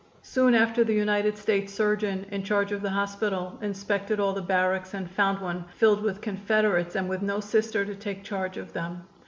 Soon after the United States surgeon in charge of the hospital inspected all the barracks and found one filled with Confederates and with no Sister to take charge of them.